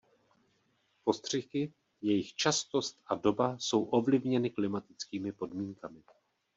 Postřiky, jejich častost a doba, jsou ovlivněny klimatickými podmínkami.